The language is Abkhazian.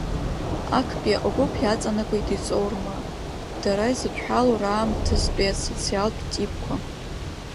Актәи агәыԥ иаҵанакуеит иҵоурма, дара зыдҳәалоу раамҭазтәи асоциалтә типқәа…